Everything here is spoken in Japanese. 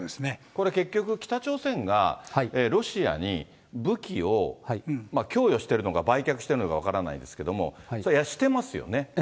これ結局、北朝鮮がロシアに武器を供与してるのか、売却してるのか分からないですけども、それはしてますよね。